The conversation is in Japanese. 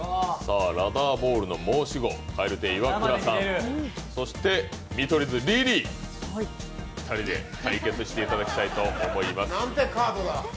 ラダーボールの申し子、蛙亭イワクラさん、そして見取り図リリー、２人で対決していただきたいと思います。